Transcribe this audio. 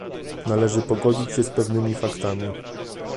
Należy pogodzić się z pewnymi faktami